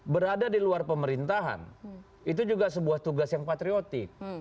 berada di luar pemerintahan itu juga sebuah tugas yang patriotik